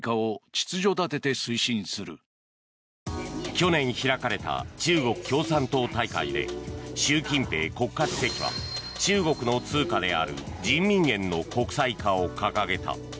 去年開かれた中国共産党大会で習近平国家主席は中国の通貨である人民元の国際化を掲げた。